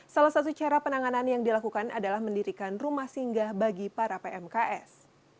salah satu cara penanganan yang dilakukan adalah mendirikan rumah singgah bagi para pmks